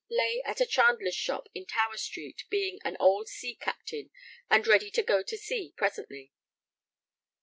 lay at a chandler's shop in Tower Street, being ... an old sea captain and ready to go to sea presently.'